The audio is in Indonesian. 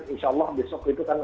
insya allah besok itu kan